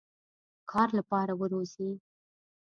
کار لپاره وروزی.